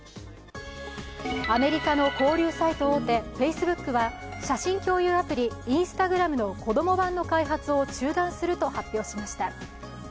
アメリカの交流サイト大手Ｆａｃｅｂｏｏｋは写真共有アプリ、Ｉｎｓｔａｇｒａｍの子供版の開発を中断すると発表しました。